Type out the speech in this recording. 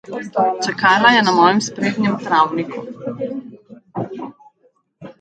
Čakala je na mojem sprednjem travniku.